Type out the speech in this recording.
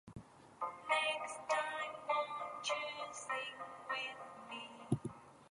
The mosaic panels are surrounded by richly gilded stucco decoration.